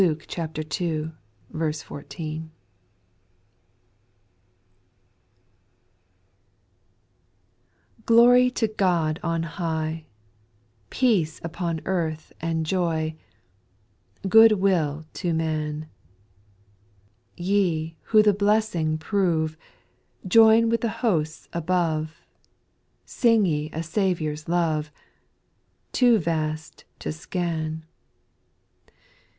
14. 1. r\ LORY to God on high ! U Peace upon earth and joy I Good will to man. Ye, who the blessing prove, Join with the hosts above ; Sing ye a Saviour's love, — Too vast to scan.